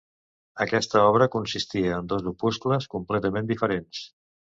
Aquesta obra consistia en dos opuscles completament diferents.